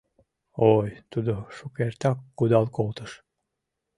— Ой, тудо шукертак кудал колтыш.